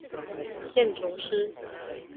建築師